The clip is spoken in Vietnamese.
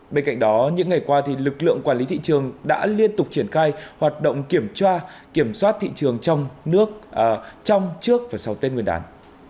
bên cạnh đó những ngày qua lực lượng quản lý thị trường đã liên tục triển khai hoạt động kiểm soát thị trường trong trước và sau tết nguyên đán